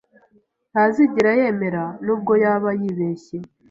Ntazigera yemera nubwo yaba yibeshye.